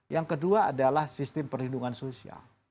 yang kedua adalah sistem perlindungan sosial